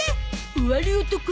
終わる男？